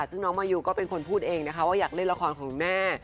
ซึ่งน้องมายูก็เป็นคนพูดเองนะคะว่าอยากเล่นละครของแม่